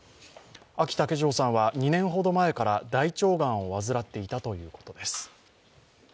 あき竹城さんは２年ほど前から大腸がんを患っていたということです。